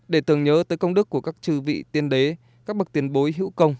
để tưởng nhớ tới công đức của các chư vị tiên đế các bậc tiền bối hữu công